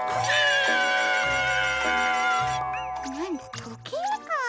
なんだとけいか。